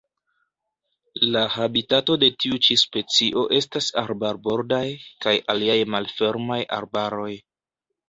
La habitato de tiu ĉi specio estas arbarbordoj kaj aliaj malfermaj arbaroj.